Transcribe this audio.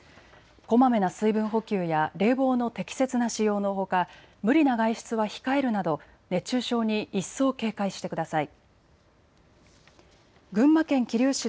こまめな水分補給や冷房の適切な使用のほか無理な外出は控えるなど熱中症に一層警戒してください。